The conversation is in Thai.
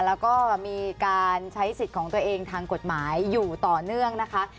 แล้วก็มีการใช้สิทธิ์ของตัวเองทางกฎหมายอยู่ต่อเนื่องนะคะ